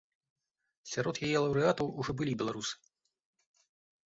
Сярод яе лаўрэатаў ужо былі беларусы.